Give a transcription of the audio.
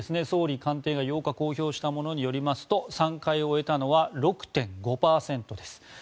総理官邸が８日公表したものによりますと３回を終えたのは６．５％です。